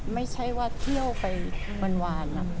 ไม่ใช่ว่าเที่ยวไปวันน่ะ